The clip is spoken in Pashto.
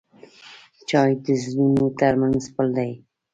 چای د زړونو ترمنځ پل دی.